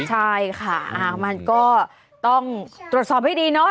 ใช่ค่ะมันก็ต้องตรวจสอบให้ดีเนาะ